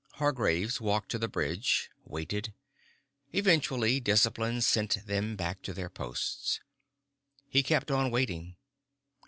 Hargraves walked to the bridge, waited. Eventually, discipline sent them back to their posts. He kept on waiting.